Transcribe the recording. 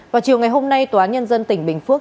và chiều ngày hôm nay tòa nhân dân tỉnh bình phước